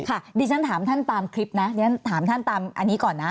ดิฉันถามท่านตามคลิปนะเรียนถามท่านตามอันนี้ก่อนนะ